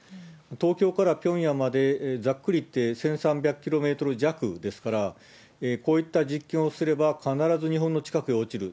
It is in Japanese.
東京からピョンヤンまで、ざっくりいって１３００キロメートル弱ですから、こういった実験をすれば、必ず日本の近くへ落ちる。